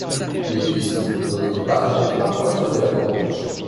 Il existe beaucoup d'autres variantes parfois très élaborées.